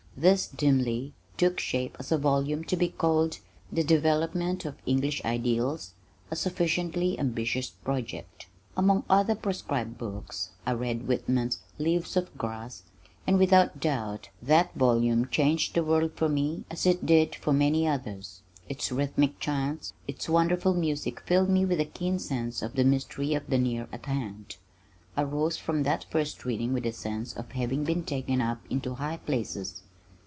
This dimly took shape as a volume to be called The Development of English Ideals, a sufficiently ambitious project. Among other proscribed books I read Whitman's Leaves of Grass and without doubt that volume changed the world for me as it did for many others. Its rhythmic chants, its wonderful music filled me with a keen sense of the mystery of the near at hand. I rose from that first reading with a sense of having been taken up into high places.